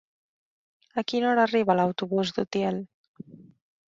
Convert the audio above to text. A quina hora arriba l'autobús d'Utiel?